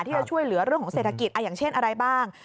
ที่จะช่วยเหลือเรื่องของเศรษฐกิจอย่างเช่นอะไรบ้าง